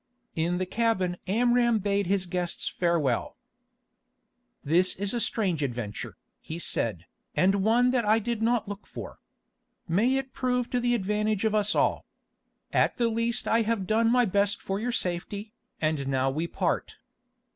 In the cabin Amram bade his guests farewell. "This is a strange adventure," he said, "and one that I did not look for. May it prove to the advantage of us all. At the least I have done my best for your safety, and now we part."